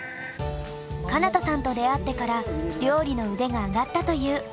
かな多さんと出会ってから料理の腕が上がったという知之さん。